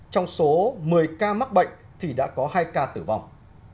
trong số một mươi ca mắc bệnh thì đã có hai ca tử vong